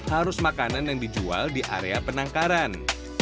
harus makanan yang dijual di area penangkaran